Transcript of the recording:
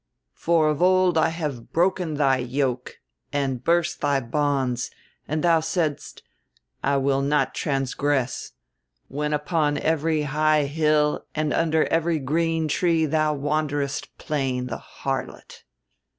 "'For of old I have broken thy yoke, and burst thy bonds; and thou saidst, I will not transgress; when upon every high hill and under every green tree thou wanderest, playing the harlot.